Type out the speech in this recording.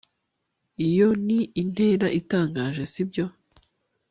Iyo ni intera itangaje sibyo